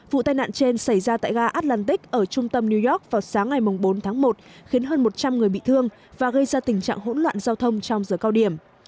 vụ tai nạn trên xảy ra tại ga atlantic ở trung tâm new york vào sáng ngày bốn tháng một khiến hơn một trăm linh người bị thương và gây ra tình trạng hỗn loạn giao thông trong giờ cao điểm